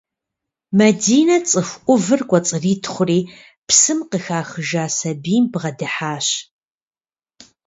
Мадинэ цӏыху ӏувыр кӏуэцӏритхъури псым къыхахыжа сабийм бгъэдыхьащ.